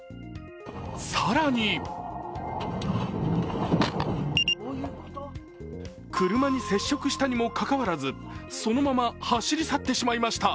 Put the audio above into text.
更に車に接触したにもかかわらずそのまま走り去ってしまいました。